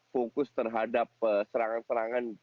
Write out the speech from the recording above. fokus terhadap serangan serangan